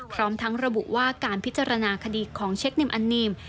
พร้อมทั้งระบุว่าการพิจารณาคดีของเช็คนิมอันนิม